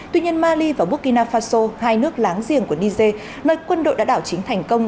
tuy nhiên mali và burkina faso hai nước láng giềng của niger nơi quân đội đã đảo chính thành công